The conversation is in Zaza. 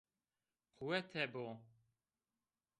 Quwete bo.